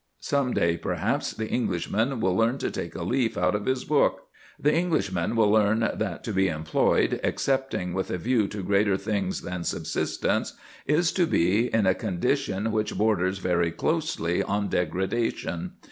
Some day, perhaps, the Englishman will learn to take a leaf out of his book. The Englishman will learn that to be employed, excepting with a view to greater things than subsistence, is to be in a condition which borders very closely on degradation.